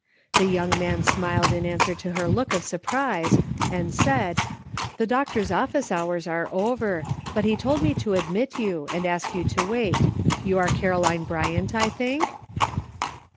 The young man smiled in answer to her look of sur prise, and said :" The doctor's office hours are over, but he told me to admit you and ask you to wait; you are Caroline Bryant, I think?"